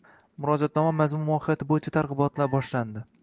Murojaatnoma mazmun-mohiyati bo‘yicha targ‘ibotlar boshlandi